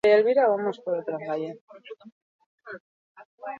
Dirua bildu ostean, lekutik ihes egitea lortu du.